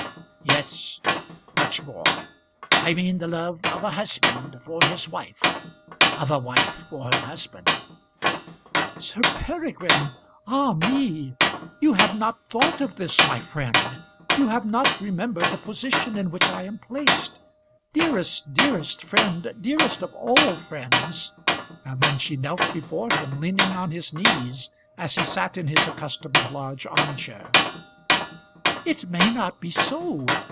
"Yes, much more. I mean the love of a husband for his wife; of a wife for her husband." "Sir Peregrine! Ah me! You have not thought of this, my friend. You have not remembered the position in which I am placed. Dearest, dearest friend; dearest of all friends," and then she knelt before him, leaning on his knees, as he sat in his accustomed large arm chair. "It may not be so.